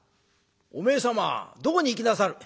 「おめえ様どこに行きなさる？」。